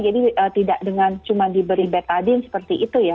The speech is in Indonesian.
jadi tidak dengan cuma diberi betadine seperti itu ya